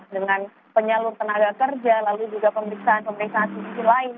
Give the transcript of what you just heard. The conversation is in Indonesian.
dengan penyalur tenaga kerja lalu juga pemeriksaan pemeriksaan